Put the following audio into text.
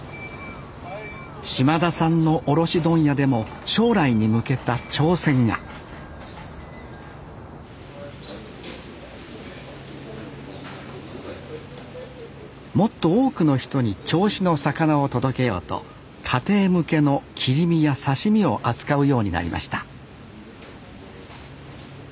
島田さんの卸問屋でも将来に向けた挑戦がもっと多くの人に銚子の魚を届けようと家庭向けの切り身や刺身を扱うようになりました